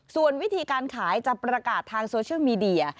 ส่วนวิธีการขายจะประกาศทางโซเชียลมีเดีย